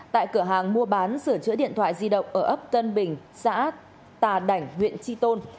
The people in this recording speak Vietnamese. tại cửa hàng mua bán sửa chữa điện thoại di động ở ấp tân bình xã tà đảnh huyện tri tôn